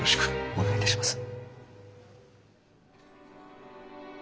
お願いいたします。